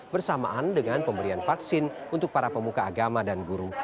bersamaan dengan pemberian vaksin untuk para pemuka agama dan guru